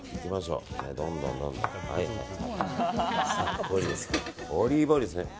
ここに、オリーブオイルですね。